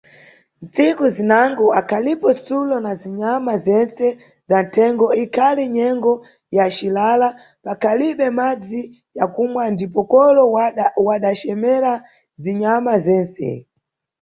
Tsiku zinango akhalipo Sulo na Zinyama Zense zanthengo, ikhali nyengo ya cilala pakhalibe madzi ya kumwa, ndipo kolo wada cemera zinyama zense.